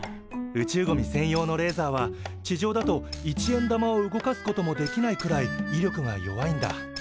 宇宙ゴミ専用のレーザーは地上だと一円玉を動かすこともできないくらいいりょくが弱いんだ。